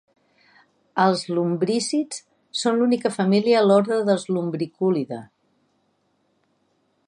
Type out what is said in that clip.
Els lumbrícids són l'única família a l'ordre dels lumbriculida.